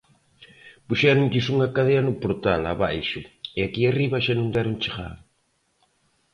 Puxéronlles unha cadea no portal, abaixo, e aquí arriba xa non deron chegado.